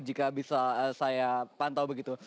jika bisa saya pantau begitu